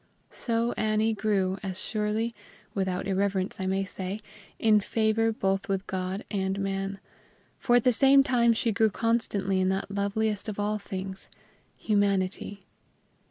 So Annie grew, as surely without irreverence I may say in favor both with God and man; for at the same time she grew constantly in that loveliest of all things humanity.